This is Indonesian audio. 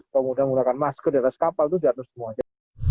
kemudian menggunakan masker di atas kapal itu diatur semuanya